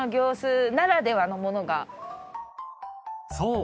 ［そう